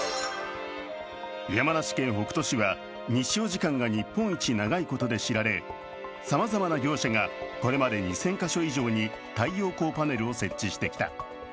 山梨県北杜市は日照時間が日本一長いことで知られ、さまざまな業者がこれまで２０００か所以上に太陽光パネルを設置してきた。